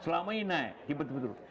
selama ini naik tiba tiba turun